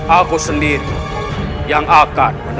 aku sendiri yang akan